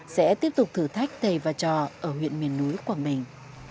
sẽ tiếp tục thử thách thầy và trò ở huyện miền núi quảng bình